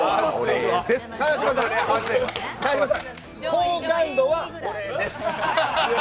好感度は俺です。